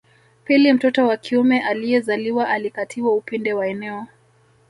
Pili mtoto wa kiume aliyezaliwa alikatiwa upinde wa eneo